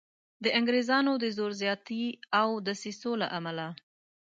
د انګریزانو د زور زیاتي او دسیسو له امله.